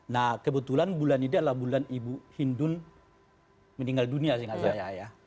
nah kebetulan bulan ini adalah bulan ibu hindun meninggal dunia sih mbak zahaya